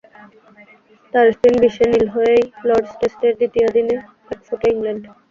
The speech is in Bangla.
তাঁর স্পিন বিষে নীল হয়েই লর্ডস টেস্টের দ্বিতীয় দিনে ব্যাকফুটে ইংল্যান্ড।